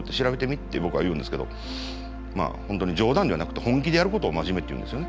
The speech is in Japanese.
って僕は言うんですけど本当に冗談ではなくて本気でやることを真面目っていうんですよね。